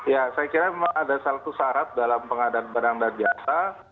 ya saya kira memang ada salah satu syarat dalam pengadilan barang dan biasa